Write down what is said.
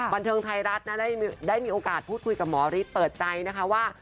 บันเทิงไทยรัฐนะได้มีโอกาสพูดคุยกับหมอฤทธิ์เปิดใจนะคะว่า